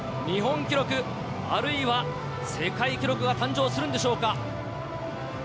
日本記録、あるいは世界記録が誕生するんでしょうか。